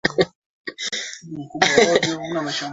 Ubaya wa kuwa mjanja ni kwamba utaadhibiwa vibaya sana.